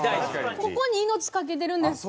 ここに命懸けてるんです。